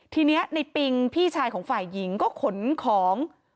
ทีนี้ในปิงพี่ชายของฝ่ายหญิงก็ขนของ